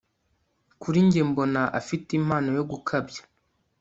kuri njye mbona afite impano yo gukabya